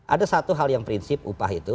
ada satu hal yang prinsip upah itu